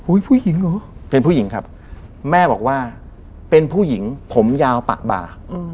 ผู้หญิงเหรอเป็นผู้หญิงครับแม่บอกว่าเป็นผู้หญิงผมยาวปะบา